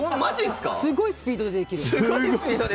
すごいスピードでできる。